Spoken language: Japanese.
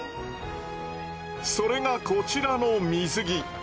それがこちらの水着。